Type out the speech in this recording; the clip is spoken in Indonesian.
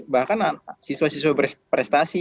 bahkan siswa siswa prestasi